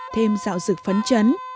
thêm rạo rực phấn chấn